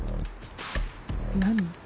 何の？